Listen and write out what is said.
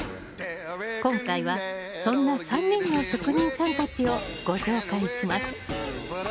今回はそんな３人の職人さんたちをご紹介します